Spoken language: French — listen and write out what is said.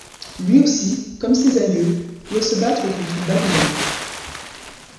Lui aussi, comme ses aïeux, doit se battre contre Babylone.